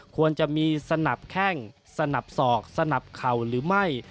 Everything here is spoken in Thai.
ควรจะมีสนับแข้งสนับสอกสนับเข่าหรือไม่